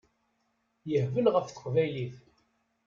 Yehbel ɣef teqbaylit.